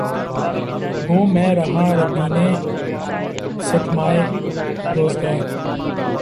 گو میں رہا رہینِ ستمہائے روزگار